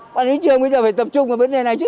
quản lý trường bây giờ phải tập trung vào vấn đề này chứ